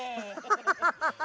ハハハハハ。